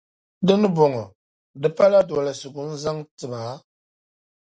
Di ni bɔŋɔ, di pala dolsigu n-zaŋ tiba.